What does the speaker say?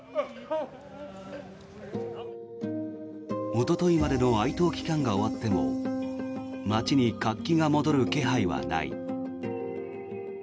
おとといまでの哀悼期間が終わっても街に活気が戻る気配はない。